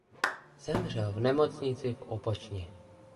Zemřel v nemocnici v Opočně.